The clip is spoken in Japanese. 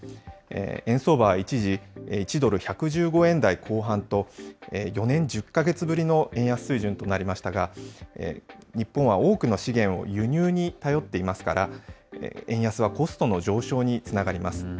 円相場は一時、１ドル１１５円台後半と、４年１０か月ぶりの円安水準となりましたが、日本は多くの資源を輸入に頼っていますから、円安はコストの上昇につながります。